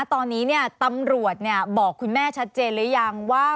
ตอนนี้ตำรวจบอกคุณแม่ชัดเจนหรือยังว่า